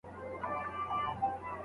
زموږ علمي ټولنه د کلتوري پلوه تقویت سوې.